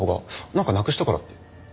なんかなくしたからって。